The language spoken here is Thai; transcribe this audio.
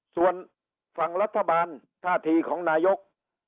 ส่วนฝั่งรัฐบาลท่าทีของนายก